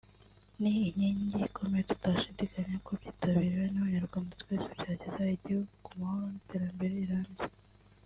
ni inkingi ikomeye tudashidikanya ko byitabiriwe n’abanyarwanda twese byageza igihugu ku mahoro n’iterambere rirambye